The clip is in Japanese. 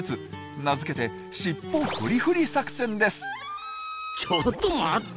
名付けてちょっと待った！